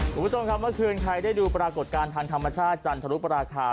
คุณผู้ชมครับเมื่อคืนใครได้ดูปรากฏการณ์ทางธรรมชาติจันทรุปราคา